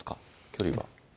距離は。